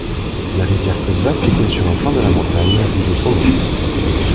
La rivière Kosva s'écoule sur un flanc de la montagne, d'où son nom.